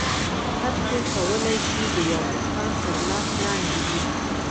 هر څوک کولی شي د یو استاد تر لاس لاندې وي